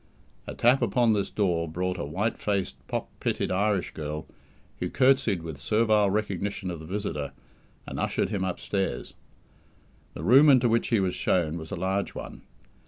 A tap upon this door brought a white faced, pock pitted Irish girl, who curtsied with servile recognition of the visitor, and ushered him upstairs. The room into which he was shown was a large one.